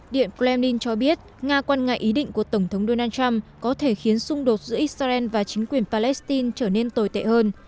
điện kremlin cho biết nga quan ngại ý định của tổng thống donald trump có thể khiến xung đột giữa israel và chính quyền palestine trở nên tồi tệ hơn